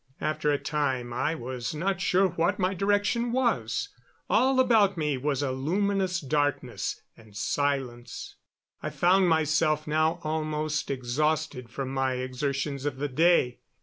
After a time I was not sure what my direction was; all about me was a luminous darkness and silence. I found myself now almost exhausted from my exertions of the day.